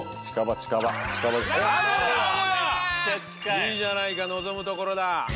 いいじゃないか望むところだ。